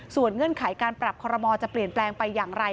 เงื่อนไขการปรับคอรมอลจะเปลี่ยนแปลงไปอย่างไร